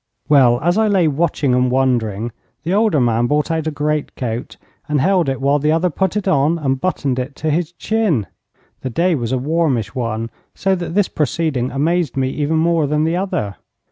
Well, as I lay watching and wondering, the older man brought out a great coat, and held it while the other put it on and buttoned it to his chin. The day was a warmish one, so that this proceeding amazed me even more than the other.